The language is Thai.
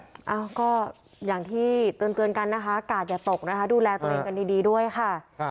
เอ้าก็อย่างที่เตือนกันนะคะกาดอย่าตกนะคะดูแลตัวเองกันดีด้วยค่ะ